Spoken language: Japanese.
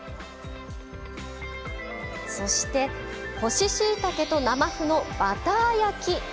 そして干ししいたけと生麩のバター焼き。